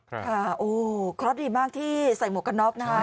ค่ะโอ้คลอสดีมากที่ใส่หมวกกระน๊อบนะครับ